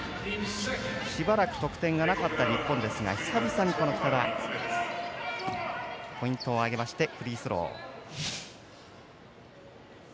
しばらく得点がなかった日本ですが久々に北田、ポイントを挙げてフリースロー。